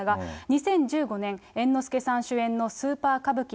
２０１５年、猿之助さん主演のスーパー歌舞伎